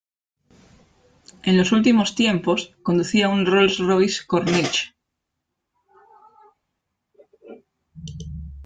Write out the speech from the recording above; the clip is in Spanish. En los últimos tiempos, conducía un Rolls Royce Corniche.